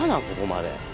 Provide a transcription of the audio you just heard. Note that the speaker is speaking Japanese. ここまで。